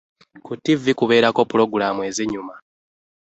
Ku ttivi kubeerako pulogulaamu ezinyuma.